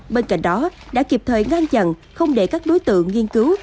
bên cạnh đó đã kịp thời ngang dặn không để các đối tượng nghiên cứu